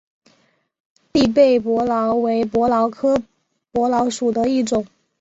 栗背伯劳为伯劳科伯劳属的一种。